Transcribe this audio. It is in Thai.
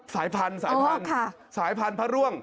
สายพันธุ์สายพันธุ์พระร่วง